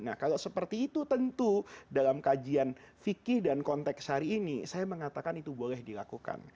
nah kalau seperti itu tentu dalam kajian fikih dan konteks hari ini saya mengatakan itu boleh dilakukan